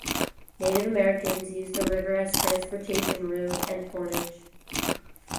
Native Americans used the river as transportation route and portage.